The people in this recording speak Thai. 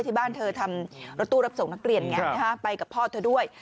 ที่บ้านเธอทำรถตู้รับส่งนักเรียนไงไปกับพ่อเธอด้วย